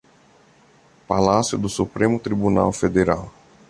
Palácio do Supremo Tribunal Federal